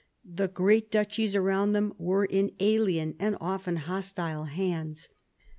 The great duchies around them were in alien and often hostile hands.